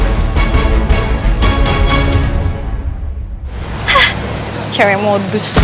hah cewek modus